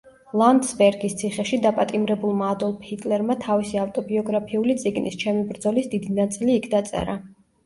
ლანდსბერგის ციხეში დაპატიმრებულმა ადოლფ ჰიტლერმა თავისი ავტობიოგრაფიული წიგნის, „ჩემი ბრძოლის“ დიდი ნაწილი იქ დაწერა.